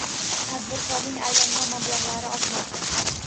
Tadbirkorning aylanma mablag‘lari ortmoqda